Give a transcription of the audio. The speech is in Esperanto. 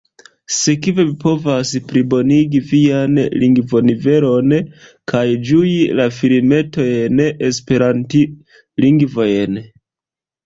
Sekve vi povas plibonigi vian lingvonivelon kaj ĝui la filmetojn esperantlingvajn.